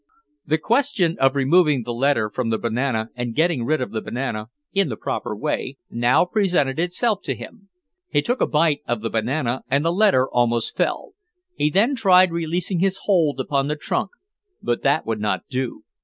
The question of removing the letter from the banana and getting rid of the banana (in the proper way) now presented itself to him. He took a bite of the banana and the letter almost fell. He then tried releasing his hold upon the trunk but that would not do.